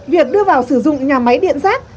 việc đưa vào sử dụng nhà máy điện rác